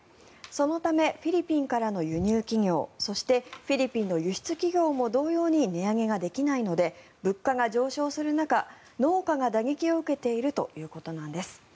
そのためフィリピンからの輸入企業そして、フィリピンの輸出企業も同様に値上げができないので物価が上昇する中農家が打撃を受けているということなんです。